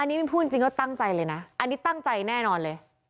อันนี้มินพูดจริงก็ตั้งใจเลยนะอันนี้ตั้งใจแน่นอนเลย